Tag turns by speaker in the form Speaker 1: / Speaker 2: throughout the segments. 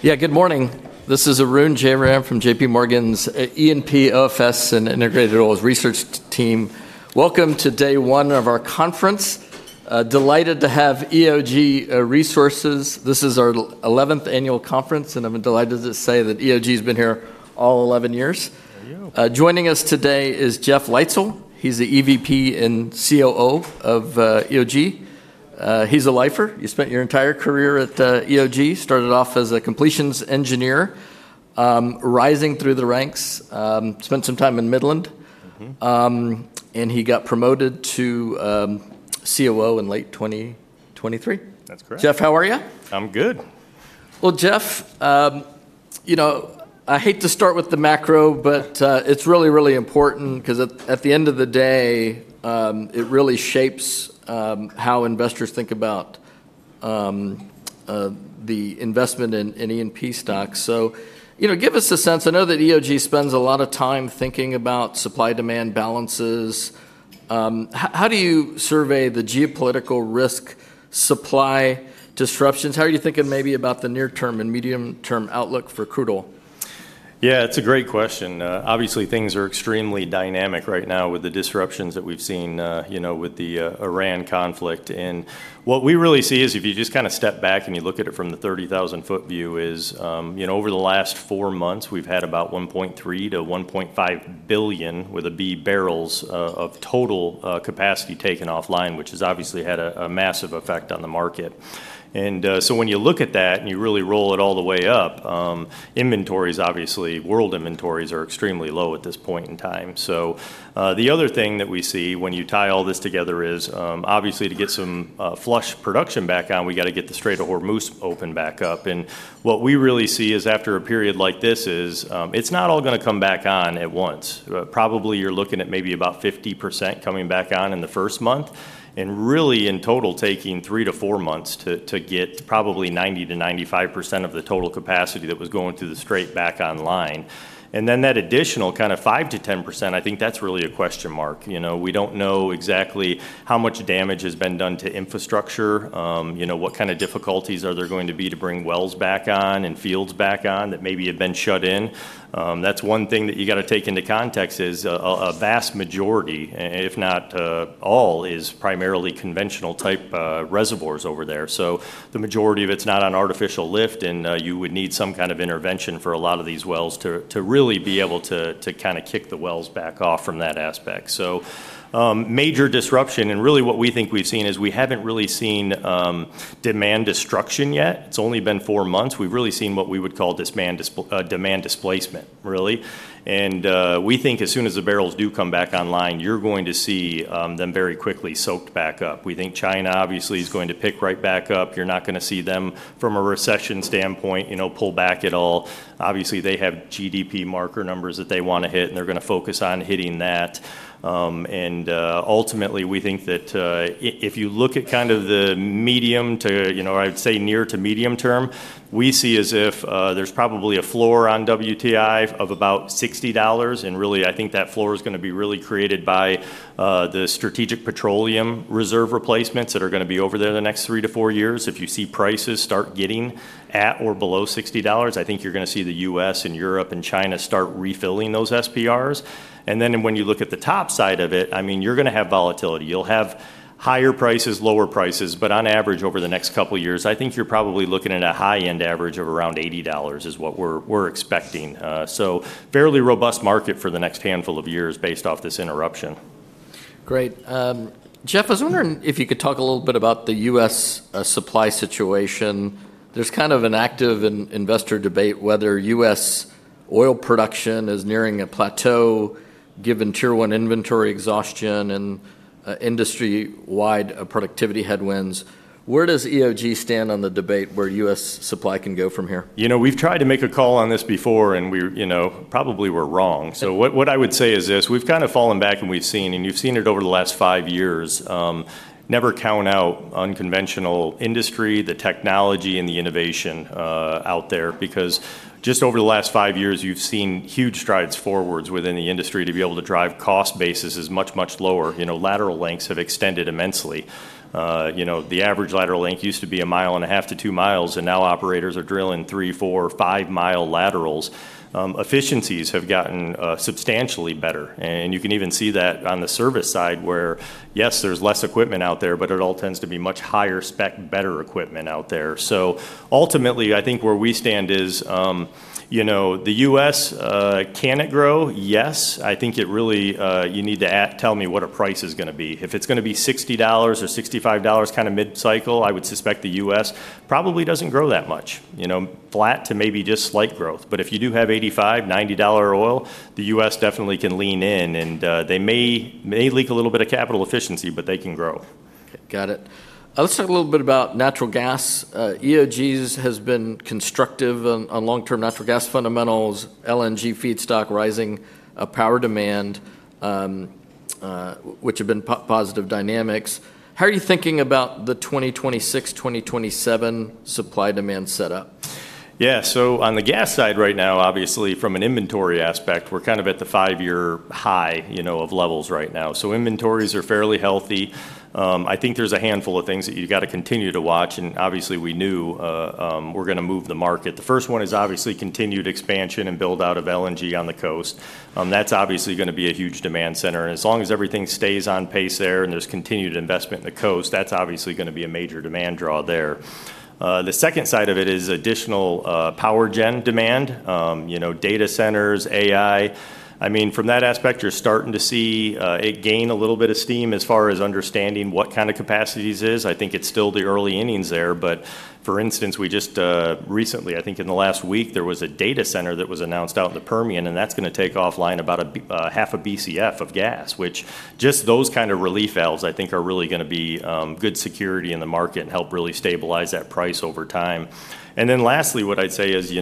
Speaker 1: Yeah. Good morning. This is Arun Jayaram from JPMorgan's E&P, OFS, and Integrated Oils research team. Welcome to Day one of our conference. Delighted to have EOG Resources. This is our 11th annual conference, and I'm delighted to say that EOG's been here all 11 years.
Speaker 2: There you go.
Speaker 1: Joining us today is Jeff Leitzell. He's the EVP and COO of EOG. He's a lifer. You spent your entire career at EOG. Started off as a completions engineer. Rising through the ranks. Spent some time in Midland. He got promoted to COO in late 2023.
Speaker 2: That's correct.
Speaker 1: Jeff, how are you?
Speaker 2: I'm good.
Speaker 1: Jeff, I hate to start with the macro, but it's really, really important because at the end of the day, it really shapes how investors think about the investment in E&P stocks. Give us a sense. I know that EOG spends a lot of time thinking about supply-demand balances. How do you survey the geopolitical risk supply disruptions? How are you thinking maybe about the near-term and medium-term outlook for crude oil?
Speaker 2: Yeah. It's a great question. Obviously, things are extremely dynamic right now with the disruptions that we've seen, with the Iran conflict. What we really see is if you just kind of step back and you look at it from the 30,000-foot view is, over the last four months, we've had about 1.3 to 1.5 billion, with a B, barrels of total capacity taken offline, which has obviously had a massive effect on the market. When you look at that and you really roll it all the way up, inventories, obviously, world inventories are extremely low at this point in time. The other thing that we see when you tie all this together is, obviously, to get some flush production back on, we've got to get the Strait of Hormuz open back up. What we really see is after a period like this is, it's not all going to come back on at once. Probably, you're looking at maybe about 50% coming back on in the first month, and really, in total, taking three to four months to get probably 90%-95% of the total capacity that was going through the strait back online. That additional 5%-10%, I think that's really a question mark. We don't know exactly how much damage has been done to infrastructure. What kind of difficulties are there going to be to bring wells back on and fields back on that maybe have been shut in? That's one thing that you got to take into context is a vast majority, if not all, is primarily conventional type reservoirs over there. The majority of it's not on artificial lift, and you would need some kind of intervention for a lot of these wells to really be able to kind of kick the wells back off from that aspect. Major disruption, what we think we've seen is we haven't really seen demand destruction yet. It's only been four months. We've really seen what we would call demand displacement, really. We think as soon as the barrels do come back online, you're going to see them very quickly soaked back up. We think China obviously is going to pick right back up. You're not going to see them from a recession standpoint pull back at all. Obviously, they have GDP marker numbers that they want to hit, and they're going to focus on hitting that. Ultimately, we think that if you look at kind of the medium to, I would say near to medium term, we see as if there's probably a floor on WTI of about $60. Really, I think that floor is going to be really created by the Strategic Petroleum Reserve replacements that are going to be over there the next three to four years. If you see prices start getting at or below $60, I think you're going to see the U.S. and Europe and China start refilling those SPRs. When you look at the top side of it, you're going to have volatility. You'll have higher prices, lower prices. On average, over the next couple of years, I think you're probably looking at a high-end average of around $80 is what we're expecting. Fairly robust market for the next handful of years based off this interruption.
Speaker 1: Great. Jeff, I was wondering if you could talk a little bit about the U.S. supply situation. There's kind of an active investor debate whether U.S. oil production is nearing a plateau given Tier I inventory exhaustion and industry-wide productivity headwinds. Where does EOG stand on the debate where U.S. supply can go from here?
Speaker 2: We've tried to make a call on this before, and probably we're wrong. What I would say is this. We've kind of fallen back and we've seen, you've seen it over the last five years. Never count out unconventional industry, the technology, and the innovation out there because just over the last five years, you've seen huge strides forwards within the industry to be able to drive cost basis as much, much lower. Lateral lengths have extended immensely. The average lateral length used to be a mile and a half to two miles, and now operators are drilling three, four, five-mile laterals. Efficiencies have gotten substantially better. You can even see that on the service side where, yes, there's less equipment out there, but it all tends to be much higher spec, better equipment out there. Ultimately, I think where we stand is, the U.S., can it grow? Yes. I think you need to tell me what a price is going to be. If it's going to be $60 or $65 kind of mid-cycle, I would suspect the U.S. probably doesn't grow that much. Flat to maybe just slight growth. If you do have $85, $90 oil, the U.S. definitely can lean in and they may leak a little bit of capital efficiency, but they can grow.
Speaker 1: Okay. Got it. Let's talk a little bit about natural gas. EOG has been constructive on long-term natural gas fundamentals, LNG feedstock rising, power demand. Which have been positive dynamics. How are you thinking about the 2026, 2027 supply-demand setup?
Speaker 2: Yeah. On the gas side right now, obviously from an inventory aspect, we're kind of at the five-year high of levels right now. Inventories are fairly healthy. I think there's a handful of things that you've got to continue to watch, and obviously we knew we're going to move the market. The first one is obviously continued expansion and build-out of LNG on the coast. That's obviously going to be a huge demand center, and as long as everything stays on pace there and there's continued investment in the coast, that's obviously going to be a major demand draw there. The second side of it is additional power gen demand. Data centers, AI. From that aspect, you're starting to see it gain a little bit of steam as far as understanding what kind of capacities is. I think it's still the early innings there. For instance, we just recently, I think in the last week, there was a data center that was announced out in the Permian, and that's going to take offline about a half a Bcf of gas, which just those kind of relief valves I think are really going to be good security in the market and help really stabilize that price over time. Lastly, what I'd say is,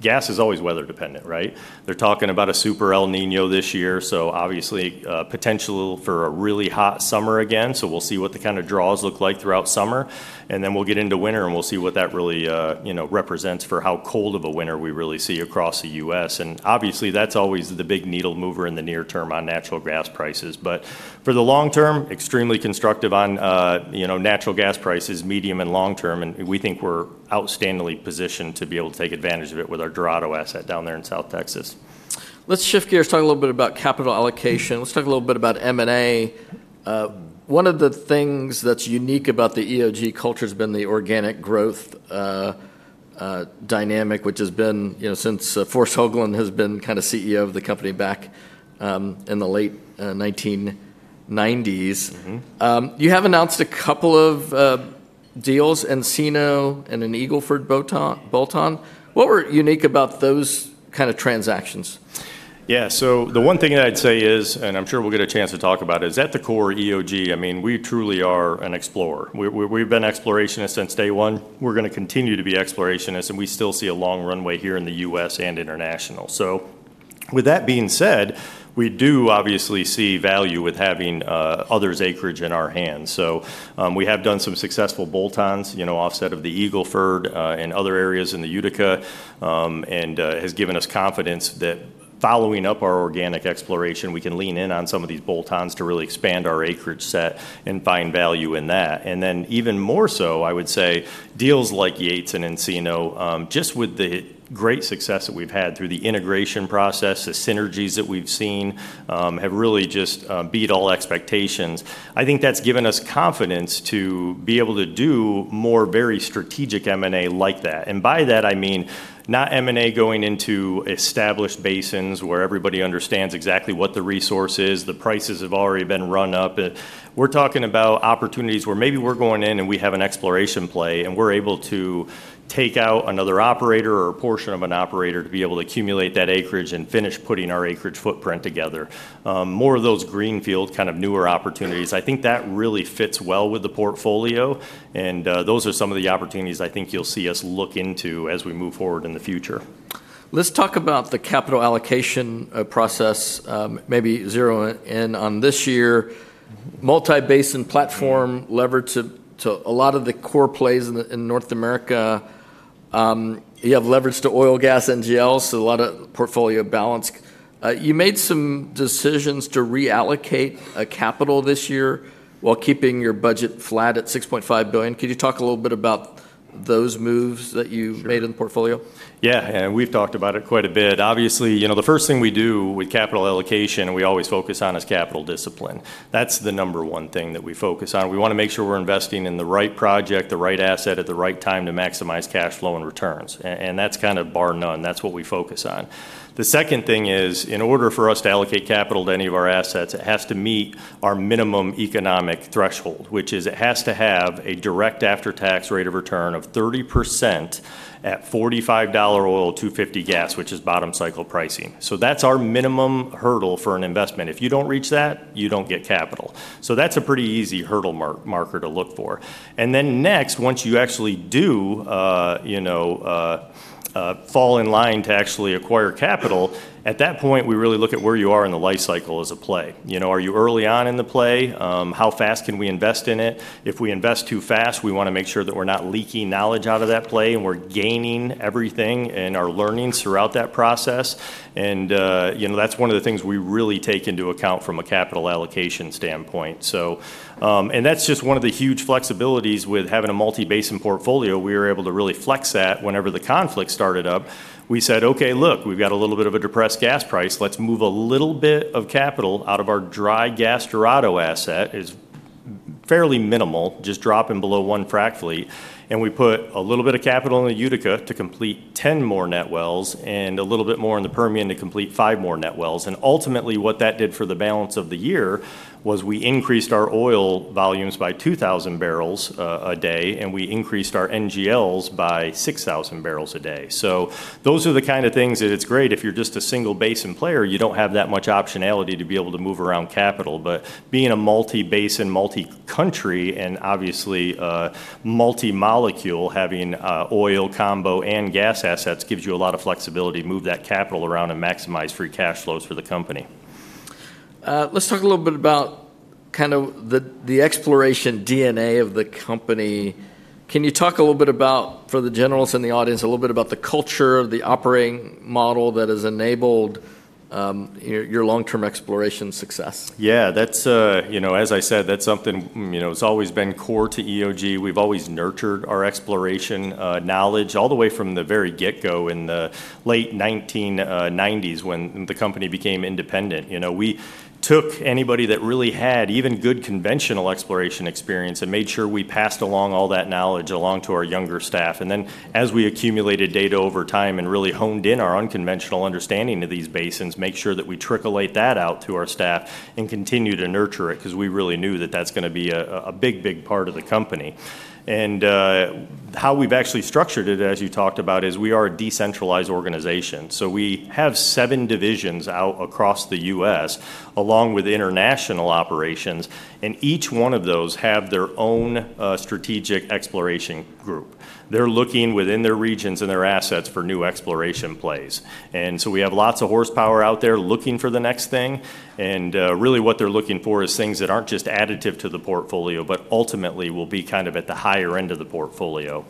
Speaker 2: gas is always weather dependent, right? They're talking about a super El Niño this year, obviously potential for a really hot summer again. We'll see what the kind of draws look like throughout summer, and then we'll get into winter, and we'll see what that really represents for how cold of a winter we really see across the U.S. Obviously, that's always the big needle mover in the near term on natural gas prices. For the long term, extremely constructive on natural gas prices, medium and long term, and we think we're outstandingly positioned to be able to take advantage of it with our Dorado asset down there in South Texas.
Speaker 1: Let's shift gears, talk a little bit about capital allocation. Let's talk a little bit about M&A. One of the things that's unique about the EOG culture has been the organic growth dynamic, which has been since Forrest Hoglund has been kind of CEO of the company back in the late 1990s. You have announced a couple of deals, Encino and an Eagle Ford bolt-on. What were unique about those kind of transactions?
Speaker 2: Yeah. The one thing that I'd say is, and I'm sure we'll get a chance to talk about it, is at the core, EOG, we truly are an explorer. We've been explorationists since day one. We're going to continue to be explorationists, and we still see a long runway here in the U.S. and international. With that being said, we do obviously see value with having others' acreage in our hands. We have done some successful bolt-ons, offset of the Eagle Ford, and other areas in the Utica, and has given us confidence that following up our organic exploration, we can lean in on some of these bolt-ons to really expand our acreage set and find value in that. Even more so, I would say deals like Yates and Encino, just with the great success that we've had through the integration process, the synergies that we've seen have really just beat all expectations. I think that's given us confidence to be able to do more very strategic M&A like that. By that I mean not M&A going into established basins where everybody understands exactly what the resource is, the prices have already been run up. We're talking about opportunities where maybe we're going in and we have an exploration play, and we're able to take out another operator or a portion of an operator to be able to accumulate that acreage and finish putting our acreage footprint together. More of those greenfield kind of newer opportunities. I think that really fits well with the portfolio, those are some of the opportunities I think you'll see us look into as we move forward in the future.
Speaker 1: Let's talk about the capital allocation process. Maybe zero in on this year. Multi-basin platform levered to a lot of the core plays in North America. You have leverage to oil, gas, NGLs, so a lot of portfolio balance. You made some decisions to reallocate capital this year while keeping your budget flat at $6.5 billion. Could you talk a little bit about those moves that you made in the portfolio?
Speaker 2: Yeah. We've talked about it quite a bit. Obviously, the first thing we do with capital allocation, we always focus on, is capital discipline. That's the number one thing that we focus on. We want to make sure we're investing in the right project, the right asset at the right time to maximize cash flow and returns. That's kind of bar none. That's what we focus on. The second thing is, in order for us to allocate capital to any of our assets, it has to meet our minimum economic threshold, which is it has to have a direct after-tax rate of return of 30% at $45 oil, $250 gas, which is bottom cycle pricing. That's our minimum hurdle for an investment. If you don't reach that, you don't get capital. That's a pretty easy hurdle marker to look for. Then next, once you actually do fall in line to actually acquire capital, at that point, we really look at where you are in the life cycle as a play. Are you early on in the play? How fast can we invest in it? If we invest too fast, we want to make sure that we're not leaking knowledge out of that play and we're gaining everything in our learnings throughout that process. That's one of the things we really take into account from a capital allocation standpoint. That's just one of the huge flexibilities with having a multi-basin portfolio. We were able to really flex that whenever the conflict started up. We said, "Okay, look, we've got a little bit of a depressed gas price. Let's move a little bit of capital out of our dry gas Dorado asset. It's fairly minimal, just dropping below one frac fleet. We put a little bit of capital in the Utica to complete 10 more net wells, and a little bit more in the Permian to complete five more net wells. Ultimately, what that did for the balance of the year was we increased our oil volumes by 2,000 barrels a day, and we increased our NGLs by 6,000 barrels a day. Those are the kind of things that it's great if you're just a single basin player, you don't have that much optionality to be able to move around capital. Being a multi-basin, multi-country, and obviously a multi-molecule, having oil combo and gas assets gives you a lot of flexibility to move that capital around and maximize free cash flows for the company.
Speaker 1: Let's talk a little bit about the exploration DNA of the company. Can you talk a little bit about, for the generals in the audience, a little bit about the culture of the operating model that has enabled your long-term exploration success?
Speaker 2: Yeah. As I said, that's something that's always been core to EOG. We've always nurtured our exploration knowledge all the way from the very get-go in the late 1990s when the company became independent. We took anybody that really had even good conventional exploration experience and made sure we passed along all that knowledge along to our younger staff. Then as we accumulated data over time and really honed in our unconventional understanding of these basins, make sure that we trickle that out to our staff and continue to nurture it because we really knew that that's going to be a big part of the company. How we've actually structured it, as you talked about, is we are a decentralized organization. We have seven divisions out across the U.S., along with international operations, and each one of those have their own strategic exploration group. They're looking within their regions and their assets for new exploration plays. We have lots of horsepower out there looking for the next thing, and really what they're looking for is things that aren't just additive to the portfolio, but ultimately will be at the higher end of the portfolio.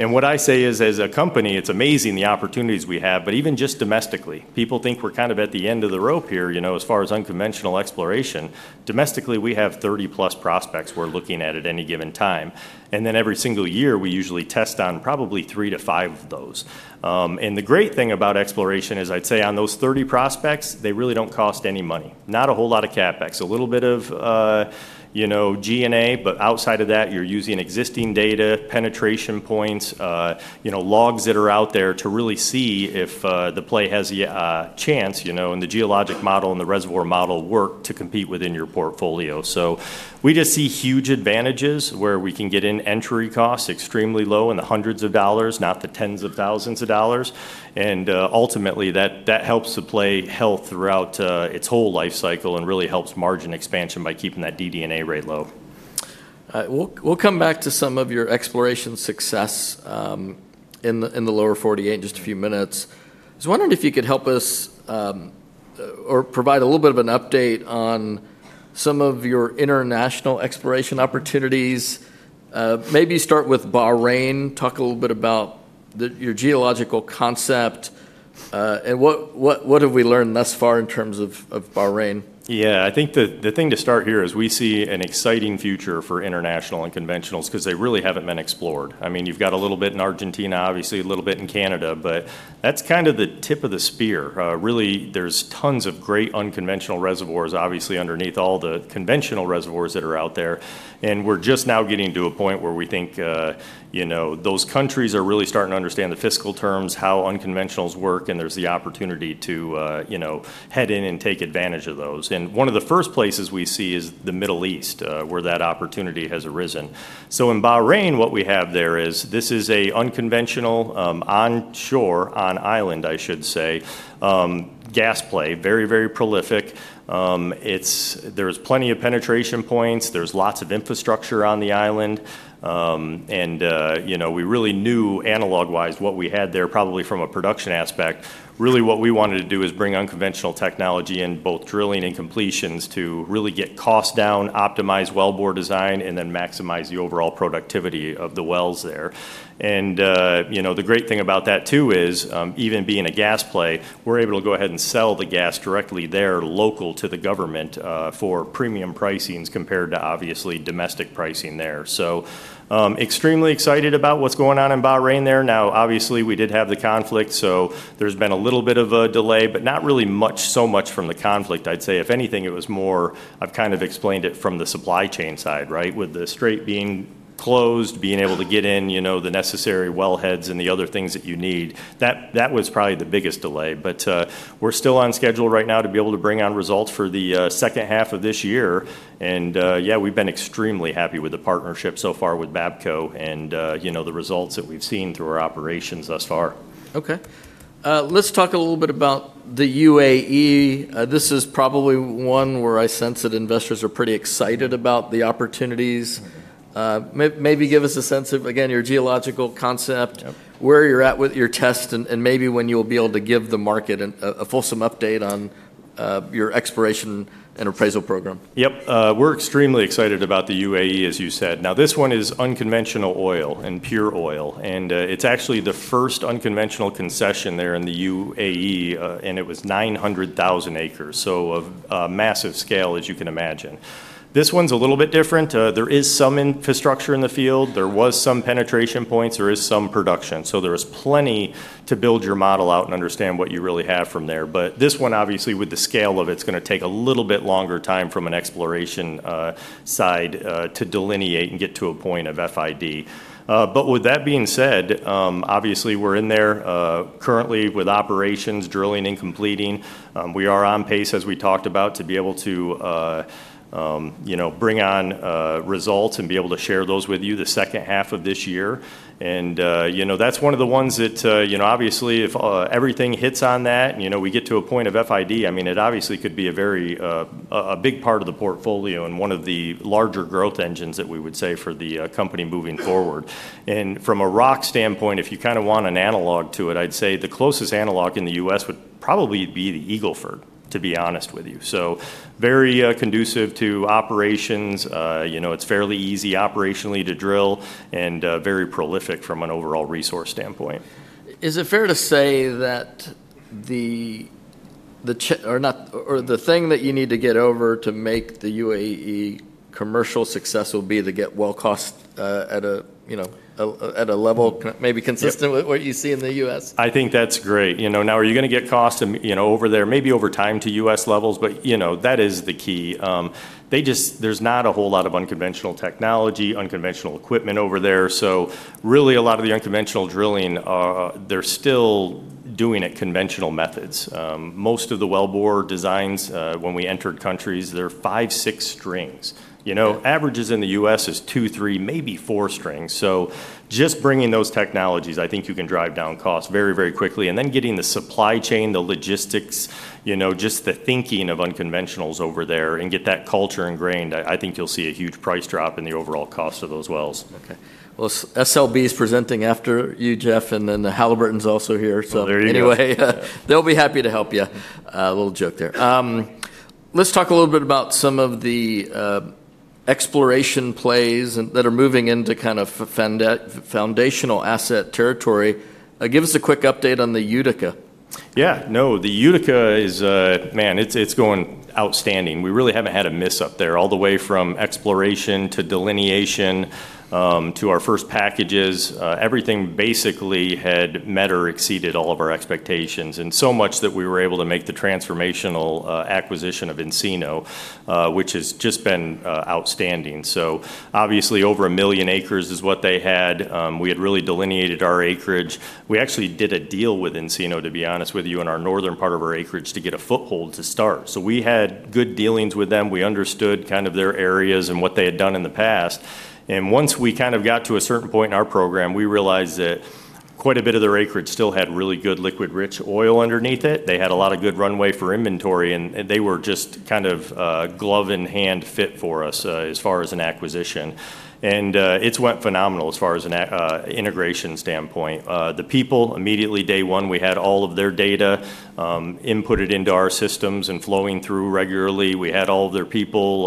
Speaker 2: What I say is, as a company, it's amazing the opportunities we have, but even just domestically. People think we're at the end of the rope here as far as unconventional exploration. Domestically, we have 30-plus prospects we're looking at at any given time. Then every single year, we usually test on probably three to five of those. The great thing about exploration is I'd say on those 30 prospects, they really don't cost any money. Not a whole lot of CapEx. A little bit of G&A, outside of that, you're using existing data, penetration points, logs that are out there to really see if the play has a chance, and the geologic model and the reservoir model work to compete within your portfolio. We just see huge advantages where we can get in entry costs extremely low in the hundreds of dollars, not the tens of thousands of dollars. Ultimately, that helps the play health throughout its whole life cycle and really helps margin expansion by keeping that DD&A rate low.
Speaker 1: We'll come back to some of your exploration success in the Lower 48 in just a few minutes. I was wondering if you could help us or provide a little bit of an update on some of your international exploration opportunities. Maybe start with Bahrain. Talk a little bit about your geological concept. What have we learned thus far in terms of Bahrain?
Speaker 2: I think the thing to start here is we see an exciting future for international unconventional because they really haven't been explored. You've got a little bit in Argentina, obviously a little bit in Canada, that's the tip of the spear. Really, there's tons of great unconventional reservoirs, obviously, underneath all the conventional reservoirs that are out there. We're just now getting to a point where we think those countries are really starting to understand the fiscal terms, how unconventional work, and there's the opportunity to head in and take advantage of those. One of the first places we see is the Middle East, where that opportunity has arisen. In Bahrain, what we have there is this is an unconventional onshore, on island I should say, gas play. Very prolific. There's plenty of penetration points. There's lots of infrastructure on the island. We really knew analog-wise what we had there, probably from a production aspect. Really what we wanted to do is bring unconventional technology in both drilling and completions to really get costs down, optimize wellbore design, and then maximize the overall productivity of the wells there. The great thing about that too is, even being a gas play, we're able to go ahead and sell the gas directly there local to the government for premium pricings compared to obviously domestic pricing there. Extremely excited about what's going on in Bahrain there. Now, obviously, we did have the conflict, there's been a little bit of a delay, not really so much from the conflict. I'd say if anything, it was more, I've explained it from the supply chain side. With the strait being closed, being able to get in the necessary wellheads and the other things that you need. That was probably the biggest delay, but we're still on schedule right now to be able to bring on results for the second half of this year. Yeah, we've been extremely happy with the partnership so far with Bapco and the results that we've seen through our operations thus far.
Speaker 1: Okay. Let's talk a little bit about the UAE. This is probably one where I sense that investors are pretty excited about the opportunities. Maybe give us a sense of, again, your geological concept, where you're at with your test, and maybe when you'll be able to give the market a fulsome update on your exploration and appraisal program.
Speaker 2: Yep. We're extremely excited about the UAE, as you said. Now, this one is unconventional oil and pure oil, and it's actually the first unconventional concession there in the UAE, and it was 900,000 acres. Of massive scale, as you can imagine. This one's a little bit different. There is some infrastructure in the field. There was some penetration points. There is some production. There is plenty to build your model out and understand what you really have from there. This one, obviously with the scale of it's going to take a little bit longer time from an exploration side to delineate and get to a point of FID. With that being said, obviously we're in there currently with operations, drilling, and completing. We are on pace, as we talked about, to be able to bring on results and be able to share those with you the second half of this year. That's one of the ones that obviously if everything hits on that and we get to a point of FID, it obviously could be a big part of the portfolio and one of the larger growth engines that we would say for the company moving forward. From a rock standpoint, if you want an analog to it, I'd say the closest analog in the U.S. would probably be the Eagle Ford, to be honest with you. Very conducive to operations. It's fairly easy operationally to drill and very prolific from an overall resource standpoint.
Speaker 1: Is it fair to say that the thing that you need to get over to make the U.A.E. commercial success will be to get well cost at a level maybe consistent with what you see in the U.S.?
Speaker 2: I think that's great. Are you going to get costs over there, maybe over time to U.S. levels? That is the key. There's not a whole lot of unconventional technology, unconventional equipment over there. Really a lot of the unconventional drilling, they're still doing it conventional methods. Most of the well bore designs, when we entered countries, they're five, six strings. Averages in the U.S. is two, three, maybe four strings. Just bringing those technologies, I think you can drive down costs very, very quickly. Getting the supply chain, the logistics, just the thinking of unconventional over there and get that culture ingrained, I think you'll see a huge price drop in the overall cost of those wells.
Speaker 1: Okay. Well, SLB is presenting after you, Jeff. Halliburton's also here.
Speaker 2: There you go.
Speaker 1: They'll be happy to help you. A little joke there. Let's talk a little bit about some of the exploration plays that are moving into kind of foundational asset territory. Give us a quick update on the Utica.
Speaker 2: The Utica is, man, it's going outstanding. We really haven't had a miss up there, all the way from exploration to delineation, to our first packages. Everything basically had met or exceeded all of our expectations. So much that we were able to make the transformational acquisition of Encino, which has just been outstanding. Obviously, over a million acres is what they had. We had really delineated our acreage. We actually did a deal with Encino, to be honest with you, in our northern part of our acreage to get a foothold to start. We had good dealings with them. We understood kind of their areas and what they had done in the past. Once we kind of got to a certain point in our program, we realized that quite a bit of their acreage still had really good liquid-rich oil underneath it. They had a lot of good runway for inventory, and they were just kind of a glove in hand fit for us as far as an acquisition. It's went phenomenal as far as an integration standpoint. The people, immediately day one, we had all of their data inputted into our systems and flowing through regularly. We had all of their people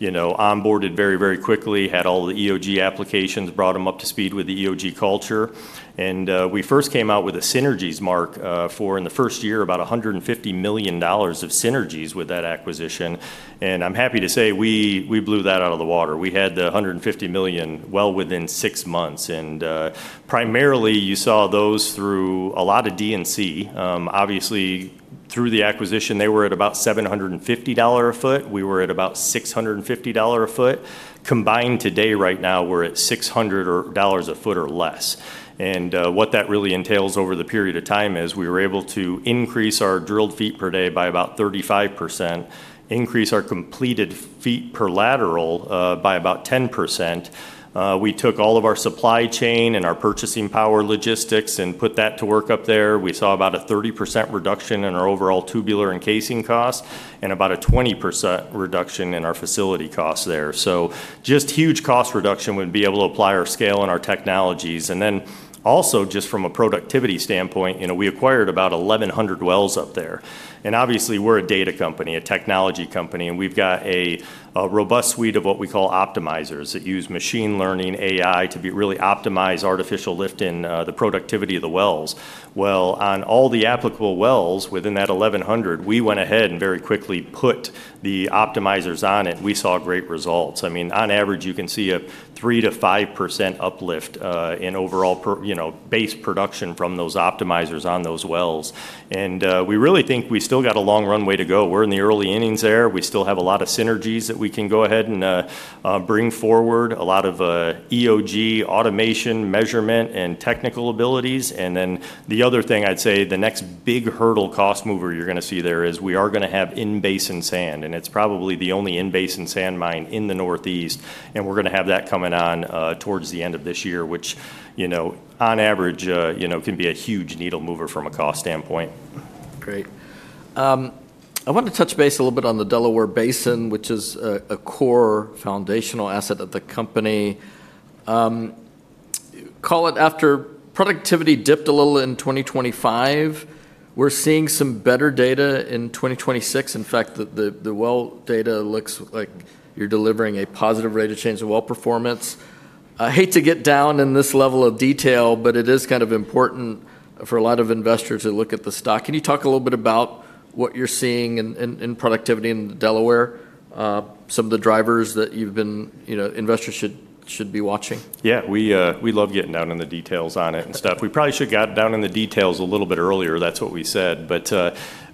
Speaker 2: onboarded very, very quickly, had all the EOG applications, brought them up to speed with the EOG culture. We first came out with a synergies mark for in the first year, about $150 million of synergies with that acquisition. I'm happy to say we blew that out of the water. We had the $150 million well within six months. Primarily you saw those through a lot of D&C. Obviously through the acquisition, they were at about $750 a foot. We were at about $650 a foot. Combined today right now, we're at $600 a foot or less. What that really entails over the period of time is we were able to increase our drilled feet per day by about 35%, increase our completed feet per lateral by about 10%. We took all of our supply chain and our purchasing power logistics and put that to work up there. We saw about a 30% reduction in our overall tubular and casing costs, and about a 20% reduction in our facility costs there. Just huge cost reduction, we'd be able to apply our scale and our technologies. Then also just from a productivity standpoint, we acquired about 1,100 wells up there. Obviously we're a data company, a technology company, we've got a robust suite of what we call optimizers that use machine learning, AI to really optimize artificial lift in the productivity of the wells. Well, on all the applicable wells within that 1,100, we went ahead and very quickly put the optimizers on it. We saw great results. On average, you can see a 3%-5% uplift in overall base production from those optimizers on those wells. We really think we still got a long runway to go. We're in the early innings there. We still have a lot of synergies that we can go ahead and bring forward, a lot of EOG automation, measurement, and technical abilities. The other thing I'd say, the next big hurdle cost mover you're going to see there is we are going to have in-basin sand, it's probably the only in-basin sand mine in the Northeast. We're going to have that coming on towards the end of this year, which on average can be a huge needle mover from a cost standpoint.
Speaker 1: Great. I wanted to touch base a little bit on the Delaware Basin, which is a core foundational asset of the company. Call it after productivity dipped a little in 2025, we're seeing some better data in 2026. In fact, the well data looks like you're delivering a positive rate of change of well performance. I hate to get down in this level of detail, it is kind of important for a lot of investors that look at the stock. Can you talk a little bit about what you're seeing in productivity in Delaware? Some of the drivers that investors should be watching.
Speaker 2: Yeah. We love getting down in the details on it and stuff. We probably should've got down in the details a little bit earlier, that's what we said.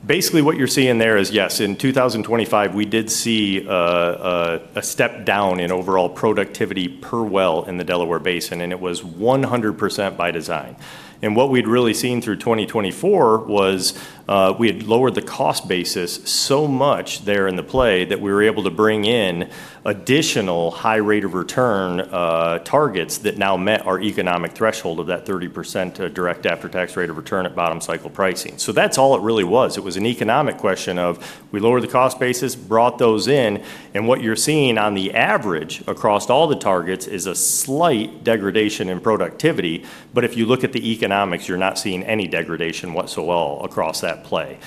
Speaker 2: Basically what you're seeing there is, yes, in 2025, we did see a step down in overall productivity per well in the Delaware Basin, it was 100% by design. What we'd really seen through 2024 was we had lowered the cost basis so much there in the play that we were able to bring in additional high rate of return targets that now met our economic threshold of that 30% direct after-tax rate of return at bottom cycle pricing. That's all it really was. It was an economic question of we lowered the cost basis, brought those in, what you're seeing on the average across all the targets is a slight degradation in productivity. If you look at the economics, you're not seeing any degradation whatsoever across that play.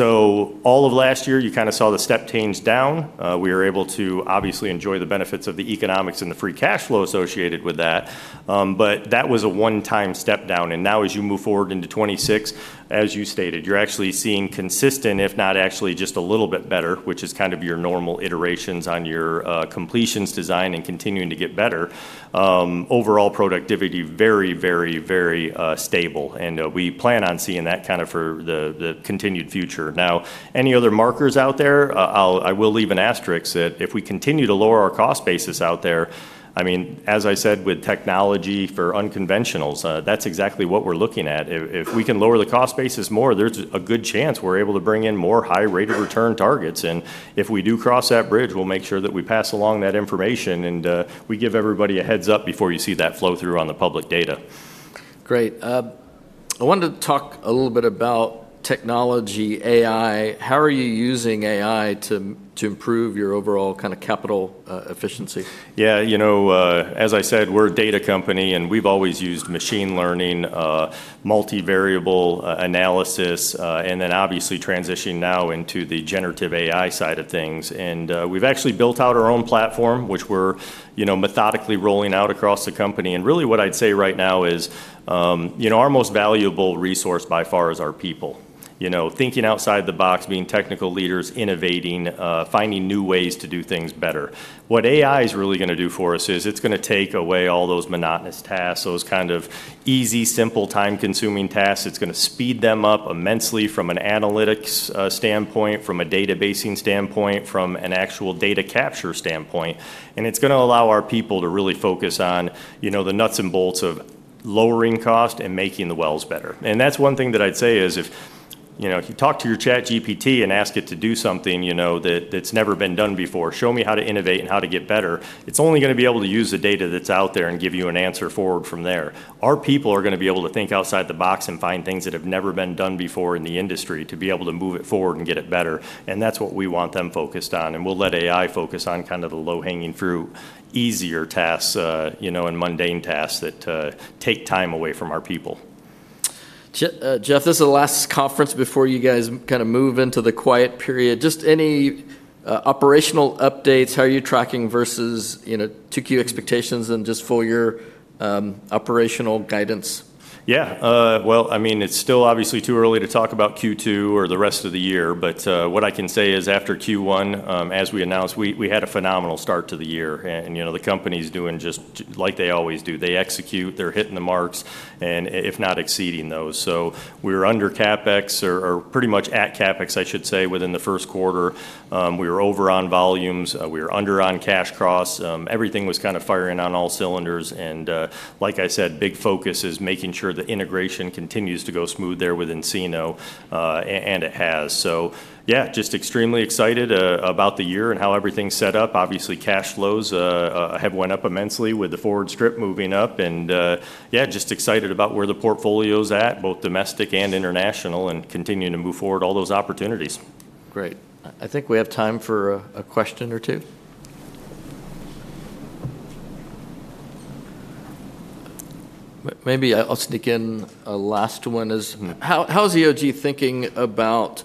Speaker 2: All of last year, you kind of saw the step change down. We were able to obviously enjoy the benefits of the economics and the free cash flow associated with that. That was a one-time step down. Now as you move forward into 2026, as you stated, you're actually seeing consistent, if not actually just a little bit better, which is kind of your normal iterations on your completions design and continuing to get better. Overall productivity very, very, very stable. We plan on seeing that kind of for the continued future. Any other markers out there, I will leave an asterisk that if we continue to lower our cost basis out there, as I said with technology for unconventional, that's exactly what we're looking at. If we can lower the cost basis more, there's a good chance we're able to bring in more high rate of return targets. If we do cross that bridge, we'll make sure that we pass along that information and we give everybody a heads up before you see that flow through on the public data.
Speaker 1: Great. I wanted to talk a little bit about technology, AI. How are you using AI to improve your overall capital efficiency?
Speaker 2: Yeah. As I said, we're a data company, we've always used machine learning, multi-variable analysis, and then obviously transitioning now into the generative AI side of things. We've actually built out our own platform, which we're methodically rolling out across the company. Really what I'd say right now is our most valuable resource by far is our people. Thinking outside the box, being technical leaders, innovating, finding new ways to do things better. What AI's really going to do for us is it's going to take away all those monotonous tasks, those kind of easy, simple, time-consuming tasks. It's going to speed them up immensely from an analytics standpoint, from a databasing standpoint, from an actual data capture standpoint. It's going to allow our people to really focus on the nuts and bolts of lowering cost and making the wells better. That's one thing that I'd say is if you talk to your ChatGPT and ask it to do something that's never been done before, "Show me how to innovate and how to get better," it's only going to be able to use the data that's out there and give you an answer forward from there. Our people are going to be able to think outside the box and find things that have never been done before in the industry, to be able to move it forward and get it better, and that's what we want them focused on. We'll let AI focus on the low-hanging fruit, easier tasks, and mundane tasks that take time away from our people.
Speaker 1: Jeff, this is the last conference before you guys move into the quiet period. Just any operational updates, how are you tracking versus 2Q expectations, and just full-year operational guidance?
Speaker 2: Well, it's still obviously too early to talk about Q2 or the rest of the year. What I can say is after Q1, as we announced, we had a phenomenal start to the year. The company's doing just like they always do. They execute, they're hitting the marks, and if not exceeding those. We were under CapEx or pretty much at CapEx, I should say, within the first quarter. We were over on volumes. We were under on cash costs. Everything was kind of firing on all cylinders and, like I said, big focus is making sure the integration continues to go smooth there with Encino, and it has. Yeah, just extremely excited about the year and how everything's set up. Obviously, cash flows have went up immensely with the forward strip moving up. Yeah, just excited about where the portfolio's at, both domestic and international, and continuing to move forward all those opportunities.
Speaker 1: Great. I think we have time for a question or two. Maybe I'll sneak in a last one. How is EOG thinking about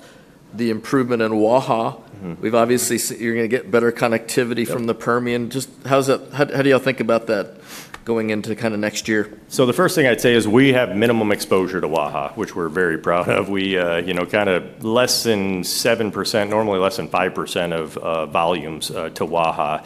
Speaker 1: the improvement in Waha? You're going to get better connectivity from the Permian. How do you all think about that going into next year?
Speaker 2: The first thing I'd say is we have minimum exposure to Waha, which we're very proud of. Less than 7%, normally less than 5% of volumes to Waha.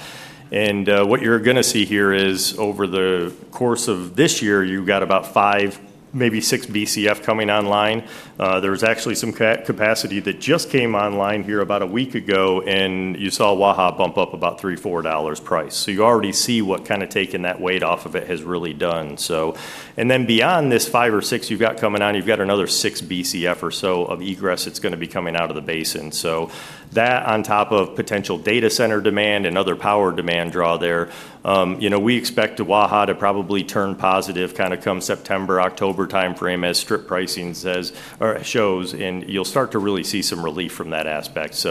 Speaker 2: What you're going to see here is over the course of this year, you've got about five, maybe 6 Bcf coming online. There's actually some capacity that just came online here about a week ago, and you saw Waha bump up about three, $4 price. You already see what taking that weight off of it has really done. Beyond this five or six you've got coming on, you've got another 6 Bcf or so of egress that's going to be coming out of the basin. That on top of potential data center demand and other power demand draw there. We expect Waha to probably turn positive come September, October timeframe as strip pricing shows, and you'll start to really see some relief from that aspect.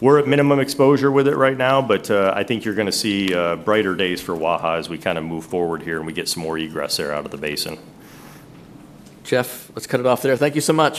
Speaker 2: We're at minimum exposure with it right now, but I think you're going to see brighter days for Waha as we move forward here and we get some more egress there out of the basin.
Speaker 1: Jeff, let's cut it off there. Thank you so much.